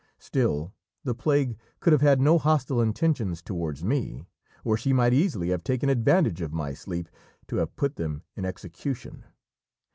Still the Plague could have had no hostile intentions towards me, or she might easily have taken advantage of my sleep to have put them in execution.